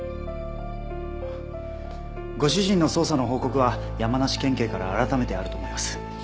ご主人の捜査の報告は山梨県警から改めてあると思います。